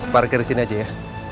parkir disini aja ya